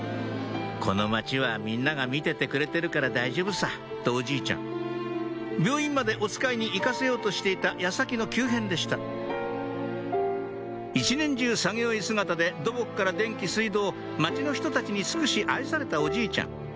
この町はみんなが見ててくれてるから大丈夫さ」とおじいちゃん病院までおつかいに行かせようとしていた矢先の急変でした一年中作業着姿で土木から電気水道町の人たちに尽くし愛されたおじいちゃん